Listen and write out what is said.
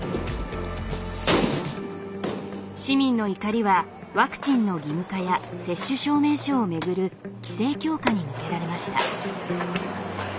市民の怒りはワクチンの義務化や接種証明書を巡る規制強化に向けられました。